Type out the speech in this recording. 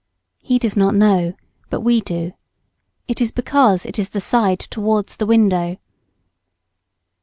He does not know, but we do. It is because it is the side towards the window.